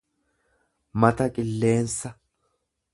mata qalleessa